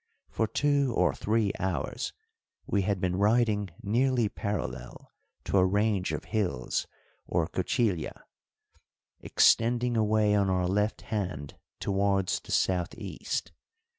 For two or three hours we had been riding nearly parallel to a range of hills, or cuchilla, extending away on our left hand towards the south east.